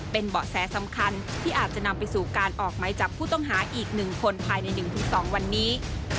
เป็นเบาะแสสำคัญที่อาจจะนำไปสู่การออกไหมจับผู้ต้องหาอีก๑คนภายใน๑๒วันนี้